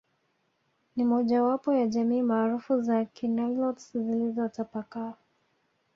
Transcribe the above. Ni mojawapo ya jamii maarufu za Kinilotes zilizotapakaa